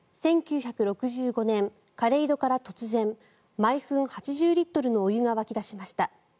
１９６５年、枯れ井戸から突然、毎分８０リットルのお湯が湧き出しました。